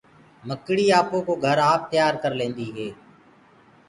مڪڙيٚ آپو ڪو گھر آپ تيآر ڪرليندي هي۔